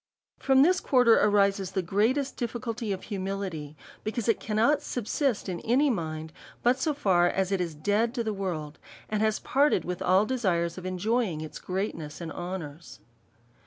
From this quarter arises the great difficulty of hu mility, because it cannot subsist in any mind, but so far as it is dead to the world, and has parted with all desires of enjoying all greatness and honours.